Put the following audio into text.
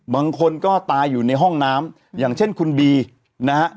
บางคนก็ตายอยู่ในห้องน้ำอย่างเช่นคุณบีนะฮะ